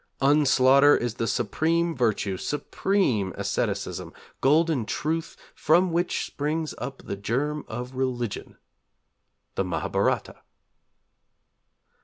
'Unslaughter is the supreme virtue, supreme asceticism, golden truth, from which springs up the germ of religion.' _The Mahabharata.